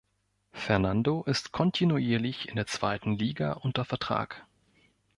Fernando ist kontinuierlich in der zweiten Liga unter Vertrag.